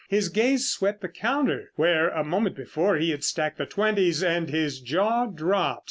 His gaze swept the counter where, a moment before, he had stacked the twenties, and his jaw dropped.